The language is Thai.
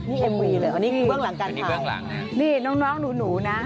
นี่เอ็มวีเลยอันนี้เบื้องหลังการถ่ายนี่น้องหนูนะ